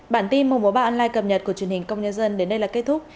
bản tin mùa mùa ba online cập nhật của truyền hình công nhân dân đến đây là kết thúc